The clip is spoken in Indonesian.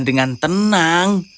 berjalan dengan tenang